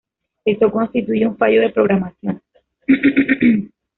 Esto constituye un fallo de programación.